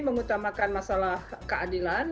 mengutamakan masalah keadilan